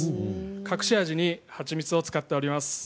隠し味に蜂蜜を使っています。